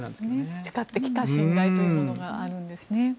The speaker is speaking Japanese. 培ってきた信頼というものがあるんですね。